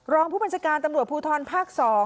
รองผู้บัญชาการตำรวจภูทรภาค๒